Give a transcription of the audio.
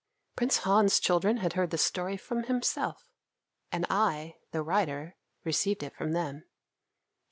Prince Han's children had heard this story from himself, and I, the writer, received it from them.